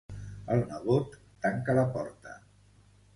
El nebot tanca la porta.